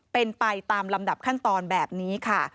เป็นไปตามลำดับขั้นตอนแบบนี้ค่ะ